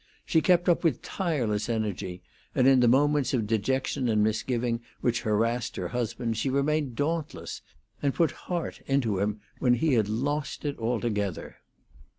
She kept up with tireless energy; and in the moments of dejection and misgiving which harassed her husband she remained dauntless, and put heart into him when he had lost it altogether.